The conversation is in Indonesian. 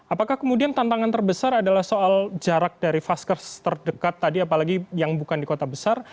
apakah kemudian tantangan terbesar adalah soal jarak dari vaskes terdekat tadi apalagi yang bukan di kota besar